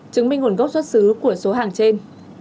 chứng minh nguồn gốc xuất xứ của số hàng trên